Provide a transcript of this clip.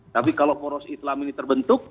tapi kalau poros islam ini terbentuk